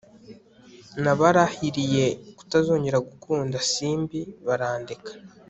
nabarahiriye kutazongera gukunda simbi barandeka